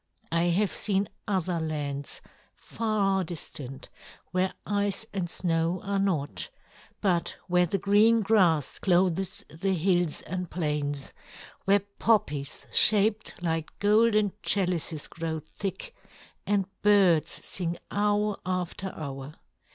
I have seen other lands far distant, where ice and snow are not, but where the green grass clothes the hills and plains; where poppies shaped like golden chalices grow thick, and birds sing hour after hour.